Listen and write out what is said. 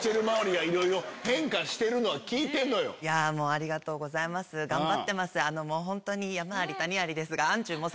ありがとうございます頑張ってます。